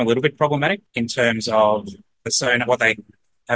menurut terma terminasi sonar kita tidak tahu